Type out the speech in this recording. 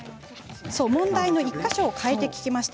問題の１か所を変えて聞きました。